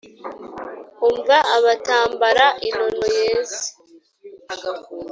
umva abatambara inono yeze.